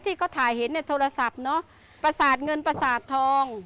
ที่เขาถ่ายเห็นในโทรศัพท์เนอะประสาทเงินประสาททอง